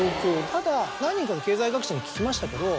ただ何人かの経済学者に聞きましたけど。